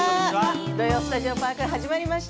「土曜スタジオパーク」始まりました。